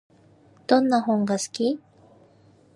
どんな本が好き？